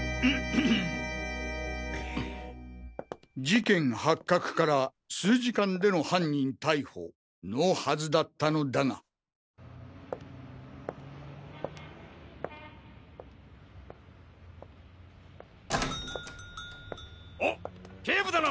事件発覚から数時間での犯人逮捕のはずだったのだがお警部殿！